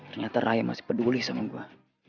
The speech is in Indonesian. ternyata raya masih peduli sama gue